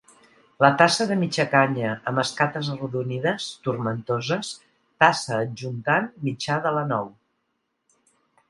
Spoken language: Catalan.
La tassa de mitja canya amb escates arrodonides, tomentoses, tassa adjuntant mitjà de la nou.